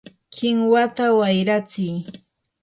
¡kinwata wayratsiy!